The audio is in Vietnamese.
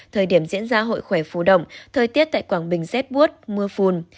thời điểm diễn ra hội khỏe phù đồng thời tiết tại quảng bình rét buốt mưa phùn